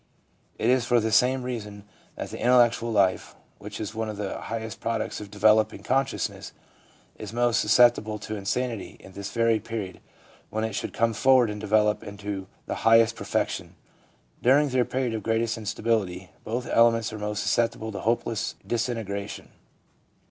It is for the same reason that the intellectual life, which is one of the highest products of developing consciousness, is most susceptible to insanity in this very period, when it should come forward and develop into the highest per fection. During their period of greatest instability, both elements are most susceptible to hopeless disintegration.